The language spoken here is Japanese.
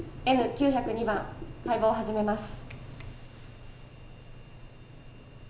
Ｎ９０２番解剖を始めます。